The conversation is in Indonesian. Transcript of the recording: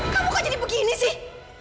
kamu kok jadi begini sih